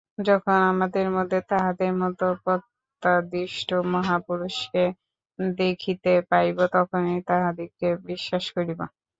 যখন আমাদের মধ্যেও তাঁহাদের মত প্রত্যাদিষ্ট মহাপুরুষকে দেখিতে পাইব, তখনই তাঁহাদিগকে বিশ্বাস করিব।